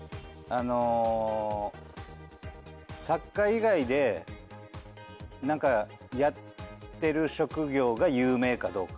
作家以外でやってる職業が有名かどうか。